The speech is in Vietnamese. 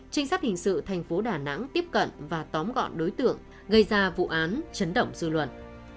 trinh sát hình sự tp hcm tiếp cận và tóm gọn đối tượng gây ra vụ án chấn động dư luận